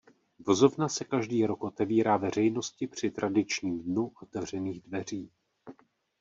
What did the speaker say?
Vozovna se každý rok otevírá veřejnosti při tradičním dnu otevřených dveří.